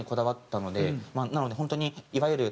なので本当にいわゆる。